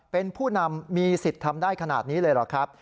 เป็นผู้นำมีสิทธิ์ทำได้ขนาดนี้เลยเหรอครับ